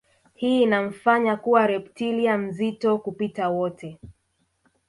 Hii inamfanya kuwa reptilia mzito kupita wote